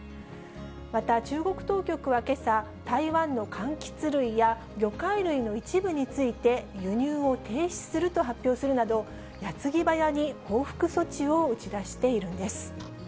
また、中国当局はけさ、台湾のかんきつ類や魚介類の一部について、輸入を停止すると発表するなど、やつぎばやに報復措置を打ち出しているんです。